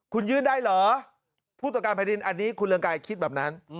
คุณยื่นได้เหรอผู้ตรวจการแผ่นดินอันนี้คุณเรืองไกรคิดแบบนั้น